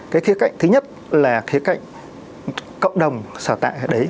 cái khía cạnh thứ nhất là khía cạnh cộng đồng sở tại đấy